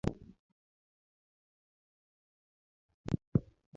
Luya madongo nochako wuok e yuotha.